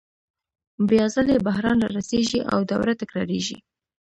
بیا ځلي بحران رارسېږي او دوره تکرارېږي